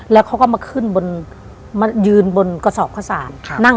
แล้วเขาก็มาขึ้นบนมายืนบนกระสอบข้าวสาร